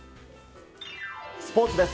スポーツです。